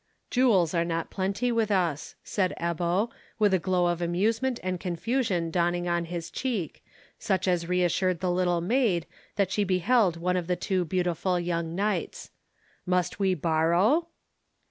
"Jewels are not plenty with us," said Ebbo, with a glow of amusement and confusion dawning on his cheek, such as reassured the little maid that she beheld one of the two beautiful young knights. "Must we borrow?"